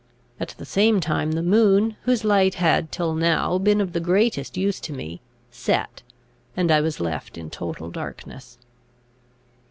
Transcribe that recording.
At the same time the moon, whose light had till now been of the greatest use to me, set, and I was left in total darkness.